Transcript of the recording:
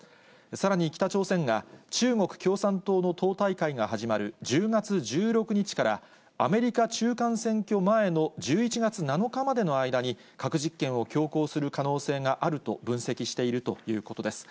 さらに北朝鮮が、中国共産党の党大会が始まる１０月１６日から、アメリカ中間選挙前の１１月７日までの間に、核実験を強行する可能性があると分析しているということです。